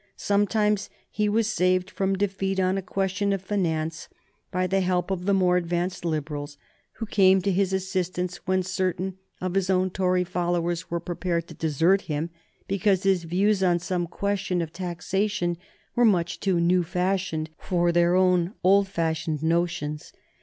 Sometimes he was saved from defeat on a question of finance by the help of the more advanced Liberals, who came to his assistance when certain of his own Tory followers were prepared to desert him because his views on some question of taxation were much too new fashioned for their own old fashioned notions.